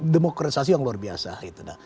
demokrasi yang luar biasa gitu